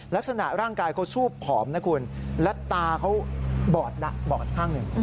ร่างกายเขาซูบผอมและตาเขาบอดข้างหนึ่ง